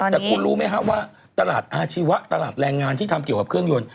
แต่คุณรู้ไหมครับว่าตลาดอาชีวะตลาดแรงงานที่ทำเกี่ยวกับเครื่องยนต์